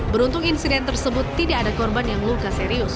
beruntung insiden tersebut tidak ada korban yang luka serius